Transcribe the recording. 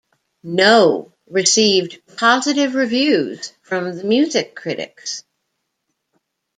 "No" received positive reviews from music critics.